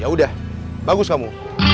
yaudah bagus kamu